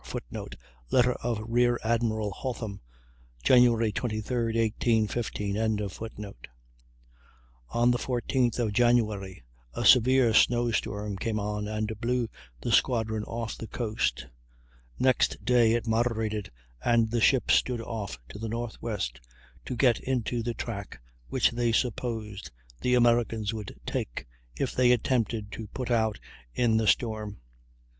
[Footnote: Letter of Rear Admiral Hotham, Jan 23, 1815.] On the 14th of January a severe snow storm came on and blew the squadron off the coast. Next day it moderated, and the ships stood off to the northwest to get into the track which they supposed the Americans would take if they attempted to put out in the storm.